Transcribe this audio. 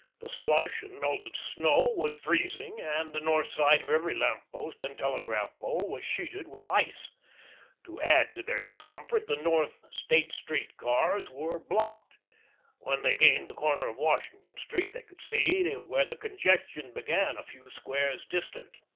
The slush and melted snow was freezing, and the north side of every lamp post and telegraph pole was sheeted with ice. To add to their discomfort, the North State Street cars were blocked. When they gained the corner of Washington Street they could see where the congestion began, a few squares distant.